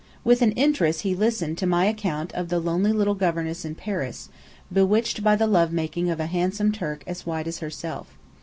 With interest he listened to my account of the lonely little governess in Paris, bewitched by the love making of a handsome Turk as white as herself.